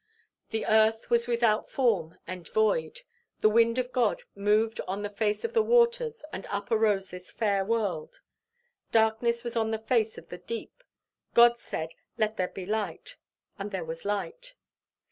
The earth was without form and void. The wind of God moved on the face of the waters, and up arose this fair world. Darkness was on the face of the deep: God said, 'Let there be light,' and there was light.